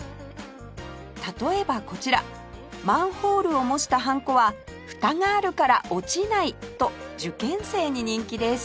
例えばこちらマンホールを模したハンコはふたがあるから落ちないと受験生に人気です